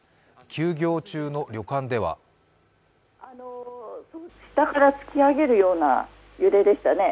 休業中の旅館では下から突き上げるような揺れでしたね。